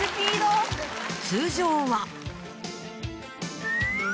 通常は。